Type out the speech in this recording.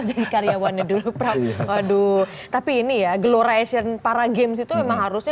jadi karyawannya dulu aduh tapi ini ya gelorasi para games itu memang harusnya